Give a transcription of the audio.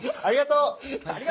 ありがとう！